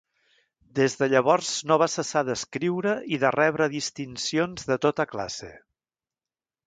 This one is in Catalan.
Des de llavors no va cessar d'escriure i de rebre distincions de tota classe.